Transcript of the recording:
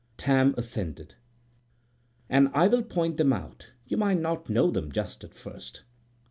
< 8 > Tam assented. "And I will point them out. You might not know them just at first."